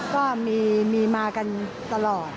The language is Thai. ก็มีมากันตลอด